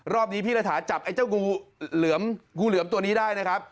รอบนี้พี่ระถาจับไอ้เจ้างูเหลือมงูเหลือมตัวนี้ได้นะครับ